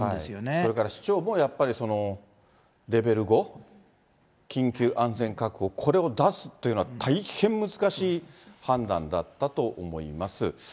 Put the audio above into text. それから市長もやっぱり、レベル５、緊急安全確保、これを出すっていうのは、大変難しい判断だったと思います。